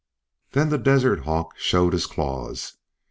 Then the desert hawk showed his claws.